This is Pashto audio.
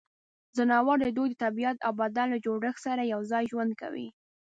ځناور د دوی د طبعیت او بدن له جوړښت سره یوځای ژوند کوي.